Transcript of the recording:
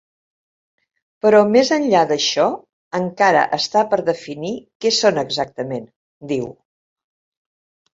Però més enllà d’això, encara està per definir què són exactament, diu.